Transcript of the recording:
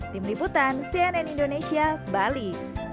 tim liputan cnn indonesia bali